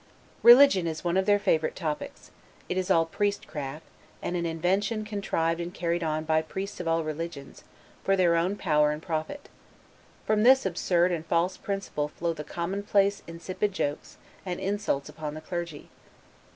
Religion is one of their favorite topics; it is all priest craft; and an invention contrived and carried on by priests of all religions, for their own power and profit; from this absurd and false principle flow the commonplace, insipid jokes, and insults upon the clergy.